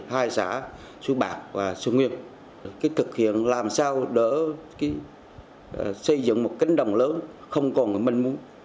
hai xã suối bạc và sơn nguyên thực hiện làm sao đỡ xây dựng một cánh đồng lớn không còn mình muốn